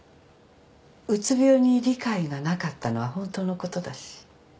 うつ病に理解がなかったのは本当のことだし。